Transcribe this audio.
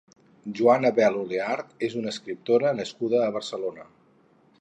Joana Bel Oleart és una escriptora nascuda a Barcelona.